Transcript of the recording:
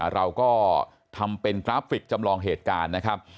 เราก็ทำเป็นกราฟิกจำลองเหตุการณ์นะครับ